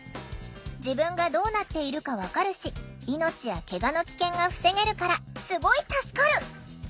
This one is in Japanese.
「自分がどうなっているか分かるし命やケガの危険が防げるからすごい助かる！」。